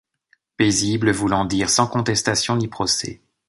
Paisible voulant dire sans contestation ni procès.